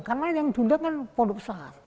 karena yang dundang kan pondok besar